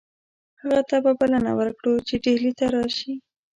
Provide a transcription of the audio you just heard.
هغه ته به بلنه ورکړو چې ډهلي ته راشي.